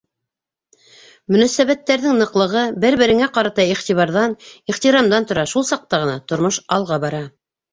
Мөнәсәбәттәрҙең ныҡлығы, бер-береңә ҡарата иғтибарҙан, ихтирамдан тора, шул саҡта ғына тормош алға бара.